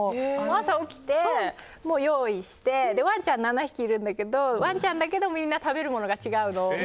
朝起きて、用意してワンちゃん７匹いるんだけどみんな食べるものが違うの。